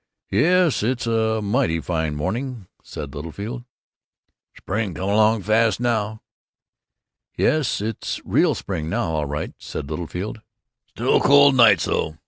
"Yes, it's a mighty fine morning," said Littlefield. "Spring coming along fast now." "Yes, it's real spring now, all right," said Littlefield. "Still cold nights, though.